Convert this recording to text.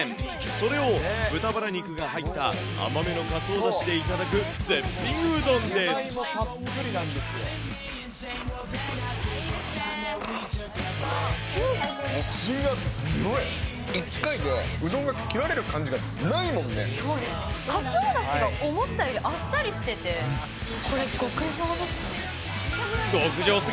それを豚バラ肉が入った甘めのかつおだしで頂く絶品うどんです。